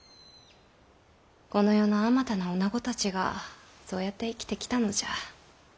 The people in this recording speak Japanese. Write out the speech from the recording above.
この世のあまたの女子たちがそうやって生きてきたのじゃ。